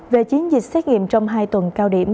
về chiến dịch xét nghiệm trong hai tuần cao điểm